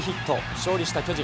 勝利した巨人。